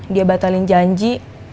dia batalin janji